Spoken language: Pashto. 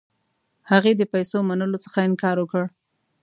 هغې د پیسو منلو څخه انکار وکړ.